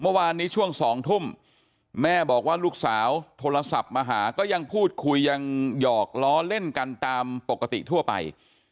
เมื่อวานนี้ช่วง๒ทุ่มแม่บอกว่าลูกสาวโทรศัพท์มาหาก็ยังพูดคุยยังหยอกล้อเล่นกันตามปกติทั่วไป